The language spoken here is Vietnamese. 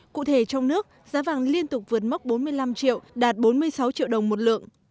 cụ thể trong nước giá vàng liên tục vượt mốc bốn mươi năm triệu đạt bốn mươi sáu triệu đồng một lượng